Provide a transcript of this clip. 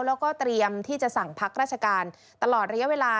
แล้วก็เตรียมที่จะสั่งพักราชการตลอดระยะเวลา